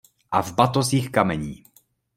A v batozích kamení.